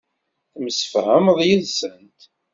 Temsefhameḍ yid-sent.